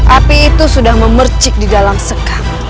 api itu sudah memercik di dalam sekam